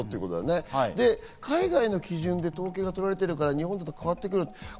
そして海外の人の基準で統計が取られているから日本だと変わってくるという声。